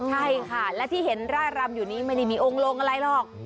ใช่ค่ะและที่เห็นร่ายรำอยู่นี้ไม่ได้มีองค์ลงอะไรหรอก